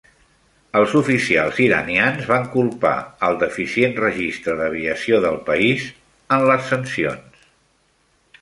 Els oficials iranians van culpar el deficient registre d'aviació del país en les sancions.